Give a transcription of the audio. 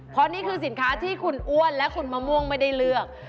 เพราะนี่คือสินค้าที่คุณอ้วนและคุณมะม่วงไม่ได้เลือก